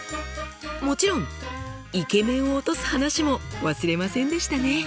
もちろんイケメンを落とす話も忘れませんでしたね！